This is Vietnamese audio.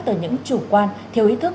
từ những chủ quan theo ý thức